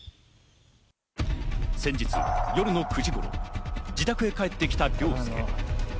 先日、夜の９時頃、自宅へ帰ってきた凌介。